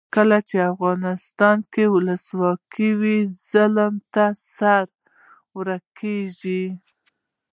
کله چې افغانستان کې ولسواکي وي ظالم ته سزا ورکول کیږي.